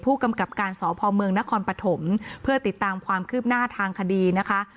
ผู้กำกับการสพเมืองนครปฐมเพื่อติดตามความคืบหน้าทางคดีนะคะ